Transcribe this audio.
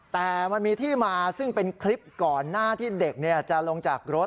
แต่มันมีที่มาซึ่งเป็นคลิปก่อนหน้าที่เด็กจะลงจากรถ